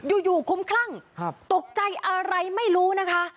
อืมอยู่คุ้มครั่งครับตกใจอะไรไม่รู้นะคะ